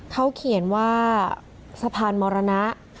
เขาเขียนว่าสะพานมรณะ